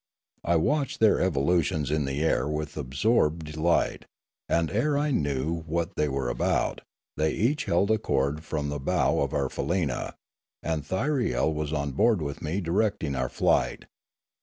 I watched their evolutions in the air with absorbed de light; and ere I knew what they were about, they each held a cord from the bow of our faleena, and Thyriel was on board with me directing our flight.